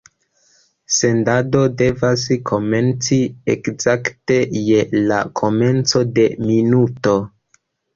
Sendado devas komenci ekzakte je la komenco de minuto.